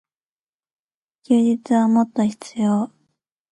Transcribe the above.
休日はもっと必要。